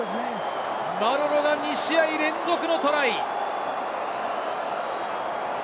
マロロが２試合連続のトライ。